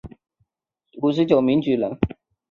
万历四十三年乡试中五十九名举人。